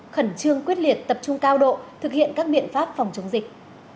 khẩn trương quyết liệt tập trung cao độ thực hiện các biện pháp phòng chống dịch